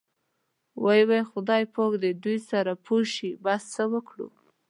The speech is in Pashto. وۍ وۍ خدای پاک دې دوی سره پوه شي، بس څه وکړو.